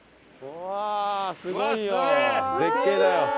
すごいよ。